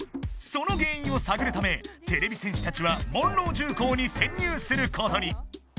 その原因をさぐるためてれび戦士たちはモンロウ重工に潜入することに。